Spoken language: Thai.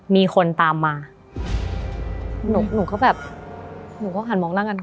มีคนตามมาหนูหนูก็แบบหนูก็หันมองหน้ากัน